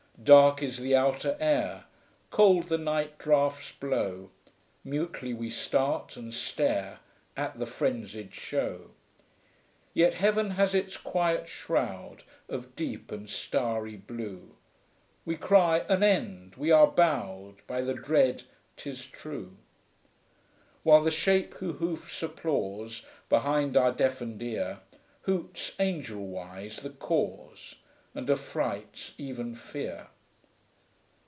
Dark is the outer air, Cold the night draughts blow, Mutely we stare, and stare At the frenzied show. Yet heaven has its quiet shroud Of deep and starry blue We cry "An end!" we are bowed By the dread "'Tis true!" While the Shape who hoofs applause Behind our deafened ear Hoots angel wise "the Cause!" And affrights even fear.'